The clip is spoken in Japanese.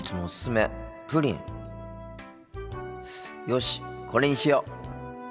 よしこれにしよう。